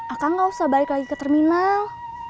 akan gak usah balik lagi ke terminal